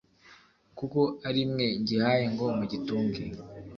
kuko ari mwe ngihaye ngo mugitunge.